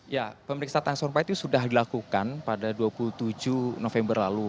ya pemeriksaan itu sudah dilakukan pada dua puluh tujuh november lalu